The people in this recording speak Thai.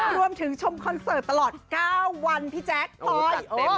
รวมถึงชมคอนเสิร์ตตลอด๙วันพี่แจ๊คต้อย